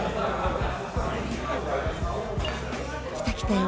きたきたよ。